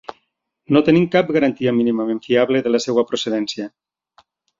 No tenim cap garantia mínimament fiable de la seva procedència.